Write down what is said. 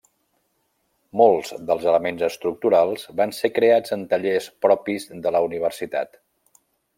Molts dels elements estructurals van ser creats en tallers propis de la universitat.